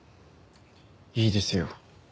いいですよ。